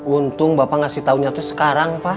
untung bapak kasih tau nyata sekarang pak